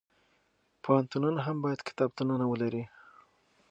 پوهنتونونه هم باید کتابتونونه ولري.